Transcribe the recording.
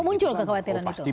muncul kekhawatiran itu